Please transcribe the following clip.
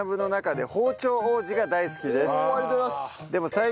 でも。